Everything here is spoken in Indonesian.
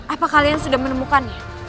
apa kalian sudah menemukannya